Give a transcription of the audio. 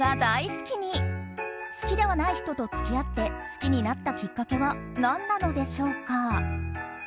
好きではない人と付き合って好きになったきっかけは何なのでしょうか？